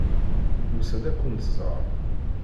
Nusa-d ad kent-nẓer.